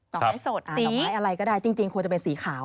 ดอกไม้อะไรก็ได้จริงควรจะเป็นสีขาว